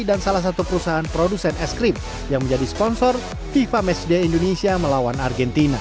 dan produsen eskrim yang menjadi sponsor fifa match day indonesia melawan argentina